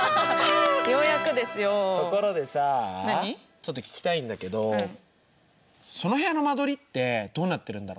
ちょっと聞きたいんだけどその部屋の間取りってどうなってるんだろ？